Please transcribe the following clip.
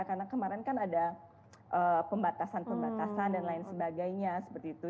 karena kemarin kan ada pembatasan pembatasan dan lain sebagainya seperti itu